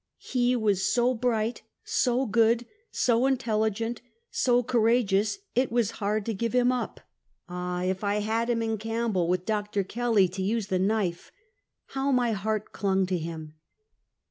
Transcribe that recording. He was so bright, so good, so intelli gent, so courageous, it was hard to give him up. Ah, 326 Half a Centuet. if I had liim in Campbell, witli Dr. Kelly to use tlie knife! How mj heart clung to him!